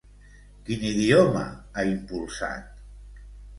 Quin idioma ha impulsat?